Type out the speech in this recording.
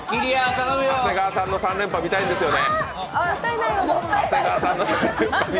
長谷川さんの３連覇、見たいんですよね。